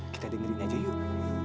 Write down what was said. kita dengerin aja yuk